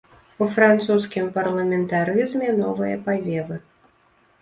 У французскім парламентарызме новыя павевы.